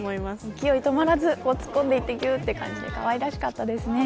勢い止まらず突っ込んでいってぎゅって感じでかわいらしかったですね。